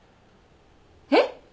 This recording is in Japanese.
えっ？